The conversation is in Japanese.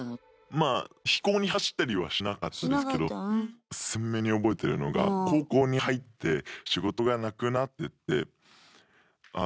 まあ非行に走ったりはしなかったですけど鮮明に覚えてるのが高校に入って仕事がなくなってってあぁ